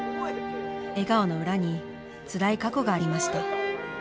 笑顔の裏につらい過去がありました。